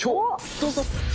どうぞ。